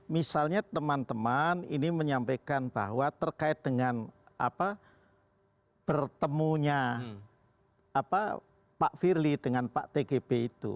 misalnya teman teman ini menyampaikan bahwa terkait dengan bertemunya pak firly dengan pak tgb itu